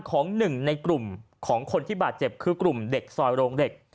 ของหนึ่งในกลุ่มของคนที่บาดเจ็บคือกลุ่มเด็กซอยโรงเหล็ก